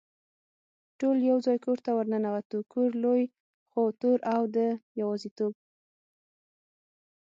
ټول یو ځای کور ته ور ننوتو، کور لوی خو تور او د یوازېتوب.